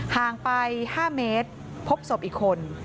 ห่างไป๕เมตรพบศพอีกคน